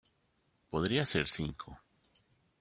Podría ser cinco.